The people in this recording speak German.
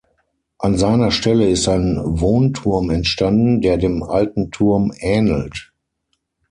An seiner Stelle ist ein Wohnturm entstanden, der dem alten Turm ähnelt.